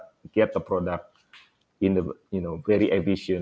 dengan cara yang sangat efisien